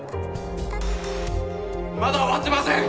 まだ終わってません！